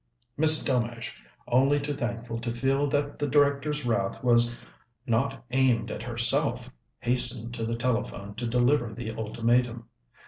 Miss Delmege, only too thankful to feel that the Director's wrath was not aimed at herself, hastened to the telephone to deliver the ultimatum.